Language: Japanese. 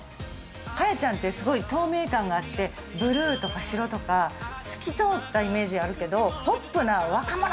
果耶ちゃんってすごい透明感があって、ブルーとか白とか、透き通ったイメージあるけど、ポップな、若者！